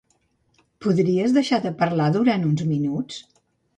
Podries deixar de parlar durant uns minuts?